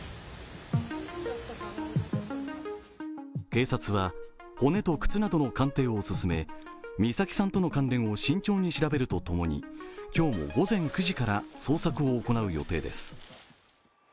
警察は骨と靴などの鑑定を進め美咲さんとの関連を慎重に調べるとともに今日も午前９時から捜索を行う予定です。